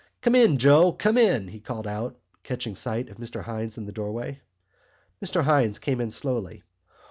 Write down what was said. Come in, Joe! Come in!" he called out, catching sight of Mr Hynes in the doorway. Mr Hynes came in slowly.